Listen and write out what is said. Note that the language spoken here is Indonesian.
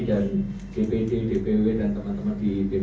dan dpd dpw dan teman teman di dpw juga